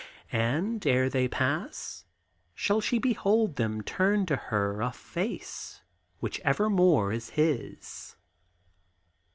And, ere they pass, shall she behold them turn To her a face which evermore is his?